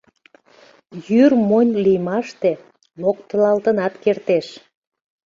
Йӱр монь лиймаште локтылалтынат кертеш.